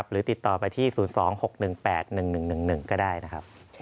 หรือติดต่อไปที่๐๒๖๑๘๑๑๑๑ก็ได้นะครับ